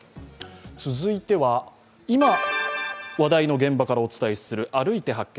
続いては、今、話題の現場からお伝えする「歩いて発見！